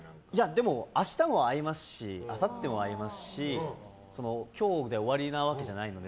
でも、明日も会いますしあさっても会いますし今日で終わりなわけじゃないので。